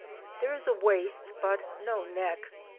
There is a waist, but no neck.